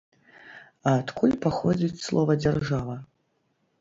А адкуль паходзіць слова дзяржава?